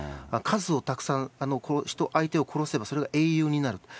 数をたくさん、相手を殺せば、それが英雄になる。